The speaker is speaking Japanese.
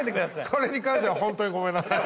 これに関してはホントにごめんなさい。